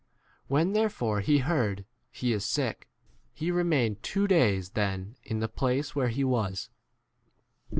When therefore he heard, he is sick, he remained two days then in the place where 7 he was.